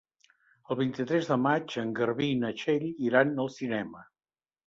El vint-i-tres de maig en Garbí i na Txell iran al cinema.